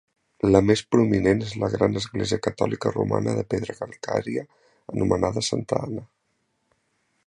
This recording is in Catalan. La més prominent és la gran església catòlica romana de pedra calcària anomenada Santa Anna.